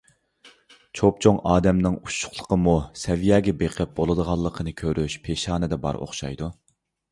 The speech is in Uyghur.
چوپچوڭ ئادەمنىڭ ئۇششۇقلۇقىمۇ سەۋىيەسىگە بېقىپ بولىدىغانلىقىنى كۆرۈش پېشانىدە بار ئوخشايدۇ.